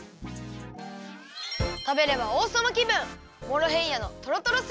たべればおうさまきぶん！